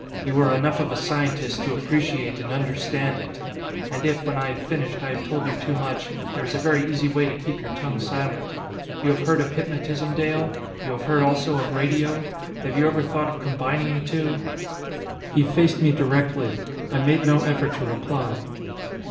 You are enough of a scientist to appreciate and understand it. And if, when I have finished, I have told you too much, there is a very easy way to keep your tongue silent. You have heard of hypnotism, Dale? You have heard also of radio? Have you ever thought of combining the two?" He faced me directly. I made no effort to reply.